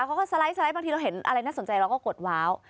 เขาก็สไลด์บางทีเราเห็นอะไรน่าสนใจเราก็กดว้าว